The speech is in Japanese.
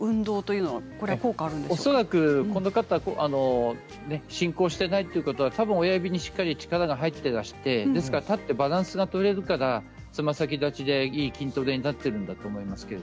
この方、恐らく進行していないということは親指にしっかり力が入っていて立ってバランスが取れるからつま先立ちでいい筋トレになっているんだと思います。